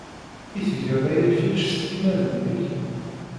I tgeḍ aya kecc s timmad-nnek?